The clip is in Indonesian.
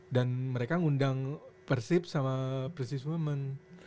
dan mereka ngundang persib sama persis women